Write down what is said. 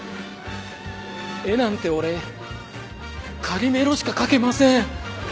絵なんて俺カリメロしか描けません。